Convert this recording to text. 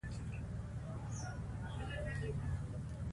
ټولنیزې اړیکې د خوښۍ کلیدي دي.